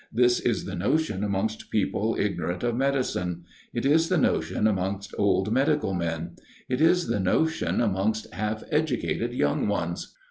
This is the notion amongst people ignorant of medicine: it is the notion amongst old medical men: it is the notion amongst half educated young ones.